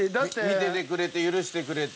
見ててくれて許してくれて。